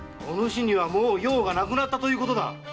お主にはもう用がなくなったということだ。